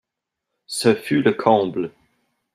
Ce fut le comble.